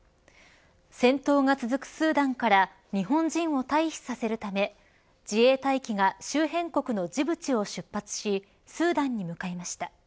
戦闘が続くスーダンから日本人を退避させるため自衛隊機が周辺国のジブチを出発しスーダンに向かいました。